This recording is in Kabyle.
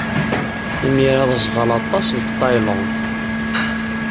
Imir-a d aẓɣal aṭas deg Tayland.